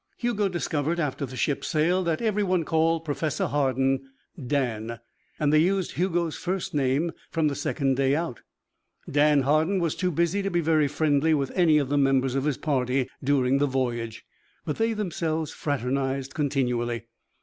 Hugo discovered, after the ship sailed, that everyone called Professor Hardin "Dan" and they used Hugo's first name from the second day out. Dan Hardin was too busy to be very friendly with any of the members of his party during the voyage, but they themselves fraternized continually.